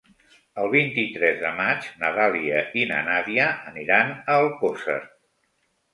El vint-i-tres de maig na Dàlia i na Nàdia aniran a Alcosser.